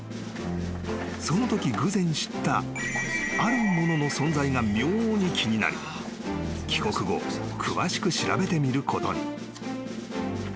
［そのとき偶然知ったあるものの存在が妙に気になり帰国後詳しく調べてみることに］